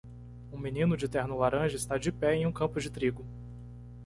Um menino de terno laranja está de pé em um campo de trigo.